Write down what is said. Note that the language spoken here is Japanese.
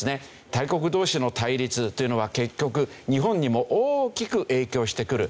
大国同士の対立というのは結局日本にも大きく影響してくるといわれるわけですね。